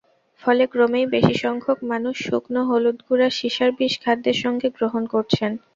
ফলে ক্রমেই বেশিসংখ্যক মানুষ শুকনো হলুদগুঁড়ার সিসার বিষ খাদ্যের সঙ্গে গ্রহণ করছেন।